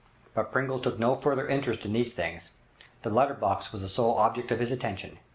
But Pringle took no further interest in these things. The letter box was the sole object of his attention.